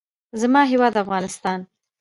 زما هېواد افغانستان.